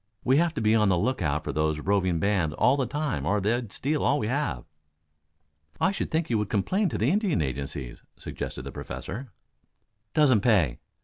"We have to be on the lookout for these roving bands all the time or they'd steal all we have." "I should think you would complain to the Indian agencies," suggested the Professor. "Doesn't pay.